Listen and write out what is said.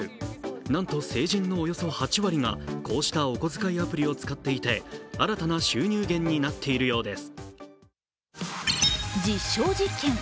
なんと成人のおよそ８割がこうしたお小遣いアプリを使用していて新たな収入源になっているようです。